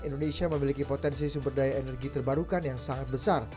indonesia memiliki potensi sumber daya energi terbarukan yang sangat besar